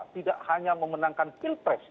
tidak hanya memenangkan pilpres